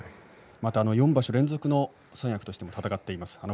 また４場所連続の三役として戦っています。